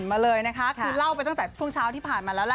มาเลยนะคะคือเล่าไปตั้งแต่ช่วงเช้าที่ผ่านมาแล้วล่ะ